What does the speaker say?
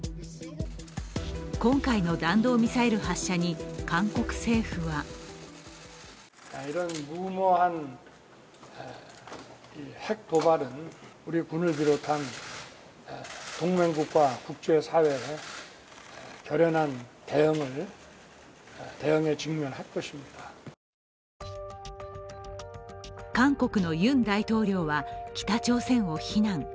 今回の弾道ミサイル発射に韓国政府は韓国のユン大統領は北朝鮮を非難。